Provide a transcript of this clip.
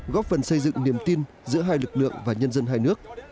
góp phần xây dựng niềm tin giữa hai lực lượng và nhân dân hai nước